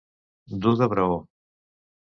Dur de braó.